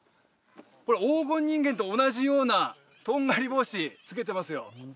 これ黄金人間と同じようなとんがり帽子着けてますよ